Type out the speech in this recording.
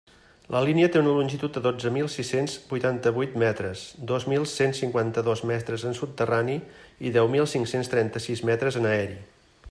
La línia té una longitud de dotze mil sis-cents huitanta-huit metres, dos mil cent cinquanta-dos metres en subterrani i deu mil cinc-cents trenta-sis metres en aeri.